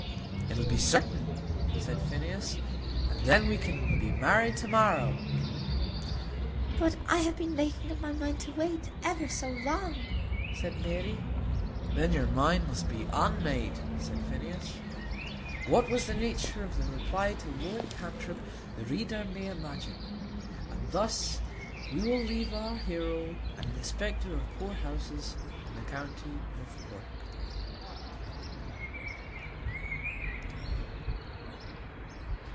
"It will be certain," said Phineas, "and then we can be married to morrow." "But I have been making up my mind to wait ever so long," said Mary. "Then your mind must be unmade," said Phineas. What was the nature of the reply to Lord Cantrip the reader may imagine, and thus we will leave our hero an Inspector of Poor Houses in the County of Cork.